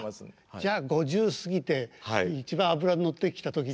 じゃあ５０過ぎて一番脂乗ってきた時に。